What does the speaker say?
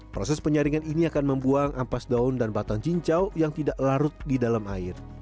proses penyaringan ini akan membuang ampas daun dan batang cincau yang tidak larut di dalam air